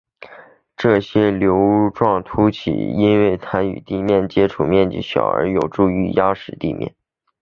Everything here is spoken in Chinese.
这些瘤状突起因其与地面的接触面积小而有助于压实路面。